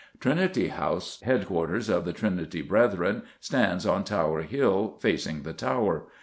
Trinity House, headquarters of the Trinity Brethren, stands on Tower Hill, facing the Tower.